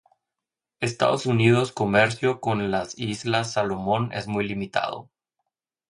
Estados Unidos comercio con las Islas Salomón es muy limitado.